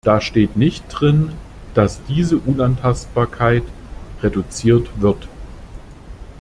Da steht nicht drin, dass diese Unantastbarkeit reduziert wird.